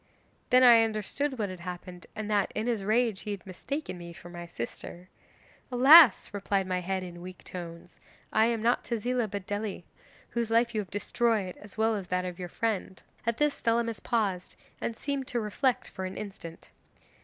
'Then I understood what had happened, and that, in his rage, he had mistaken me for my sister. '"Alas," replied my head in weak tones, "I am not Tezila, but Dely, whose life you have destroyed, as well as that of your friend." At this Thelamis paused and seemed to reflect for an instant.